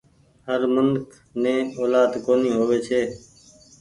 هر منک ني اولآد ڪونيٚ هووي ڇي۔